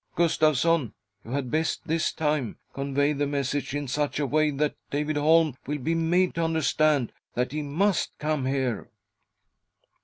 "Gustavsson, you had best this time convey the message in such a way that David Holm will be made to understand that he must come here